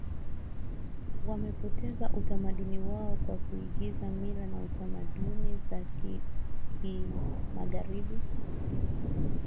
Wamepoteza utamaduni wao kwa kuiga mila na tamaduni za kimagharibi